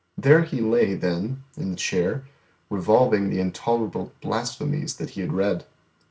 There He lay, then, in the chair, revolving the intolerable blasphemies that He had read.